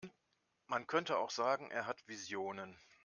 Man könnte auch sagen, er hat Visionen.